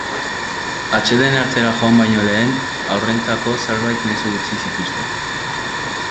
Atseden hartzera joan baino lehen, haurrentzako zenbait mezu utzi zituzten.